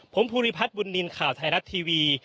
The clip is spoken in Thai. ผมภูริพัฒน์บุญนินทร์ข่าวไทยรัฐทีวี